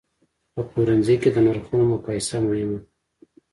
په پلورنځي کې د نرخونو مقایسه مهمه ده.